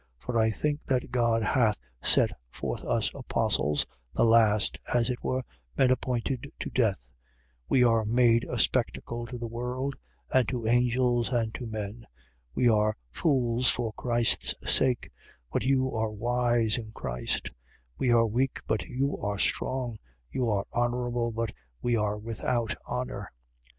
4:9. For I think that God hath set forth us apostles, the last, as it were men appointed to death. We are made a spectacle to the world and to angels and to men. 4:10. We are fools for Christs sake, but you are wise in Christ: we are weak, but you are strong: you are honourable, but we without honour.